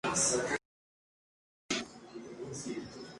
Fue además Vocal del Consejo Superior de Investigaciones Científicas.